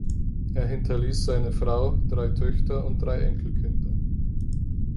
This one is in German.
Er hinterließ seine Frau, drei Töchter und drei Enkelkinder.